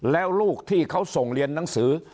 แล้วลูกที่เขาส่งเรียนหนังสือ